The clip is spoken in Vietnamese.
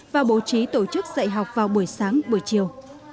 và bố trí tổ chức dạy học vào buổi sáng buổi chiều